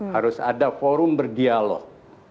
harus ada forum berdialog